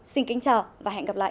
xin kính chào và hẹn gặp lại